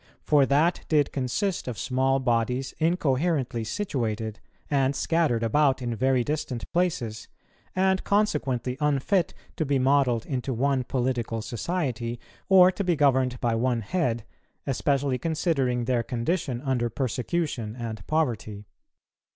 For that did consist of small bodies incoherently situated, and scattered about in very distant places, and consequently unfit to be modelled into one political society, or to be governed by one head, especially considering their condition under persecution and poverty.